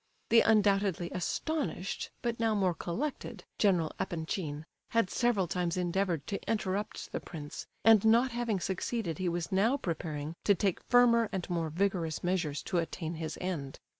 The undoubtedly astonished, but now more collected, General Epanchin had several times endeavoured to interrupt the prince, and not having succeeded he was now preparing to take firmer and more vigorous measures to attain his end.